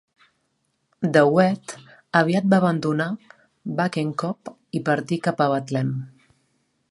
De Wet aviat va abandonar Bakenkop i partir cap a Betlem.